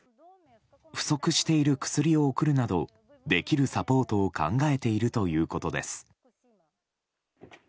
不足している薬を送るなどできるサポートを考えているということです。